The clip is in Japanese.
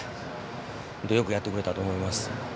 よくやってくれたと思います。